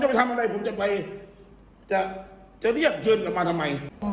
ไปทำอะไรผมจะไปจะเรียกเชิญกลับมาทำไม